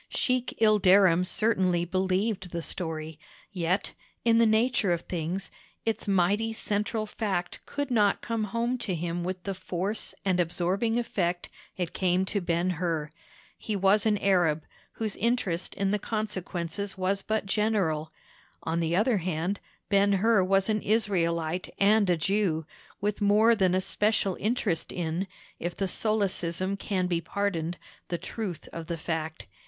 Sheik Ilderim certainly believed the story; yet, in the nature of things, its mighty central fact could not come home to him with the force and absorbing effect it came to Ben Hur. He was an Arab, whose interest in the consequences was but general; on the other hand, Ben Hur was an Israelite and a Jew, with more than a special interest in—if the solecism can be pardoned—the truth of the fact.